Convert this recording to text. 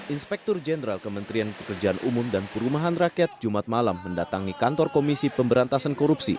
inspektur jenderal kementerian pekerjaan umum dan perumahan rakyat jumat malam mendatangi kantor komisi pemberantasan korupsi